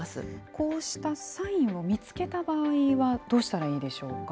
こうしたサインを見つけた場合は、どうしたらいいでしょうか。